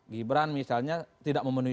gibran misalnya tidak memenuhi